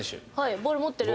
ボール持ってる。